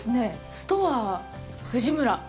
ストアー藤村。